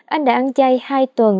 anh đã ăn chay hai tuần